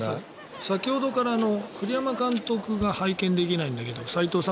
先ほどから栗山監督が拝見できないんだけど齋藤さん